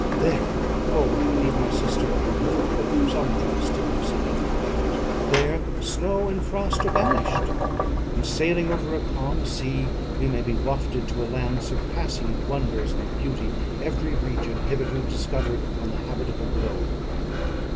There for with your leave, my sister, I will put some trust in preceding navigators there snow and frost are banished; and, sailing over a calm sea, we may be wafted to a land surpassing in wonders and in beauty every region hitherto discovered on the habitable globe.